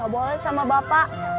gak boleh sama bapak